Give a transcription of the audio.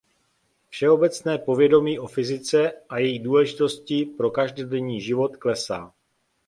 Všeobecné povědomí o fyzice a její důležitosti pro každodenní život klesá.